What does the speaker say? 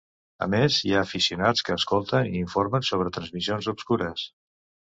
A més, hi ha aficionats que escolten i informen sobre transmissions "obscures".